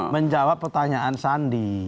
menjawab pertanyaan sandi